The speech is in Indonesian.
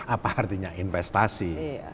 apa artinya investasi